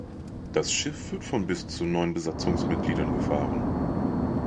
Das Schiff wird von bis zu neun Besatzungsmitgliedern gefahren.